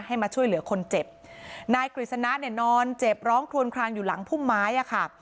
ให้มาช่วยเหลือคนเจ็บนายกฤษณะนอนเจ็บร้องทวนคลางอยู่หลังพุ่มไม้ค่ะ